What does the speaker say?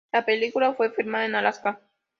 La película fue filmada en Alaska.